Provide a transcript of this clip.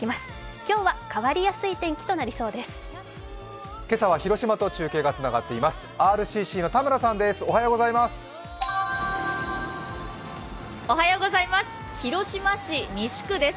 今日は変わりやすい天気となりそうです。